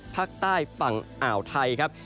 ภาคใต้ฝั่งอ่าวไทยครับ